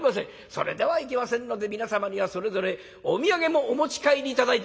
それではいけませんので皆様にはそれぞれお土産もお持ち帰り頂いて」。